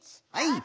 はい！